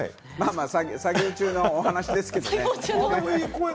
作業中のお話ですけれどもね。